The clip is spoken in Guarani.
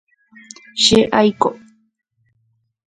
Che aiko.